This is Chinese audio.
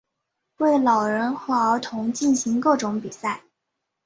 为老人和儿童进行各种比赛。